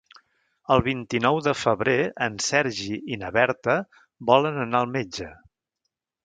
El vint-i-nou de febrer en Sergi i na Berta volen anar al metge.